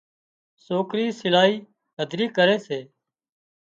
سوڪرِي سلائي هڌري ڪري سي